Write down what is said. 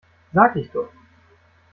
Sag ich doch!